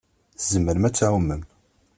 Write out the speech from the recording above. Tzemrem ad tɛummem.